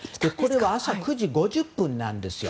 朝９時５０分なんですよ。